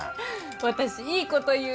私いいこと言う。